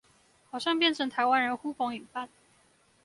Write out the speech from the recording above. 好像變成台灣人呼朋引伴